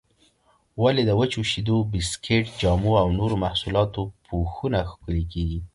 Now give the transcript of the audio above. ولې د وچو شیدو، بسکېټ، جامو او نورو محصولاتو پوښونه ښکلي کېږي؟